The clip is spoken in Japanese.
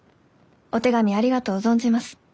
お手紙ありがとう存じます。